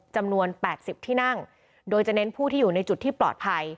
จำนวน๘๐ที่นั่งโดยจะเน้นผู้ที่อยู่ในจุดที่ปลอดภัย